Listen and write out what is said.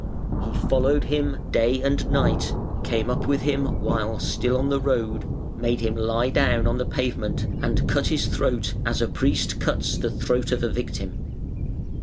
He followed him day and night, came up with him while still on the road, "made him lie down on the pavement, and cut his throat as a priest cuts the throat of a victim".